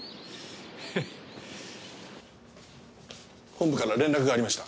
本部から連絡がありました。